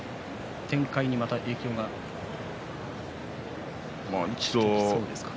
展開にまた影響がありそうですかね。